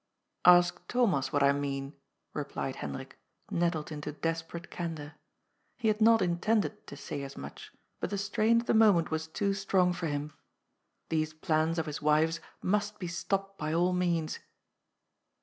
" Ask Thomas what I mean," replied Hendrik, nettled into desperate candour. He had not intended to say as much, but the strain of the moment was too strong for him. These plans of his wife's must be stopped by all means.